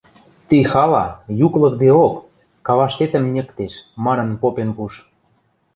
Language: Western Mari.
Ти хала, юк лыкдеок, каваштетӹм ньӹктеш... – манын попен пуш